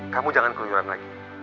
kamu jangan keluaran lagi